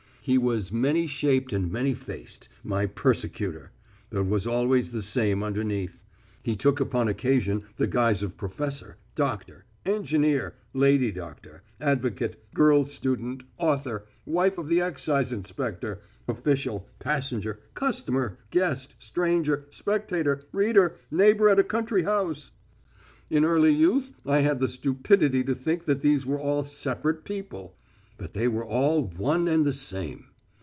He was many shaped and many faced, my persecutor, but was always the same underneath. He took upon occasion the guise of professor, doctor, engineer, lady doctor, advocate, girl student, author, wife of the excise inspector, official, passenger, customer, guest, stranger, spectator, reader, neighbour at a country house. In early youth I had the stupidity to think that these were all separate people. But they were all one and the same.